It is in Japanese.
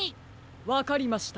わかりました。